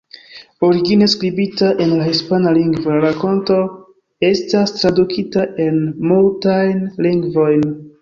Origine skribita en la hispana lingvo, la rakonto estas tradukita en multajn lingvojn.